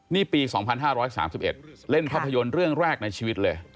นี่ปี๒๕๓๑เล่นภาพยนตร์เรื่องแรกในชีวิตเลย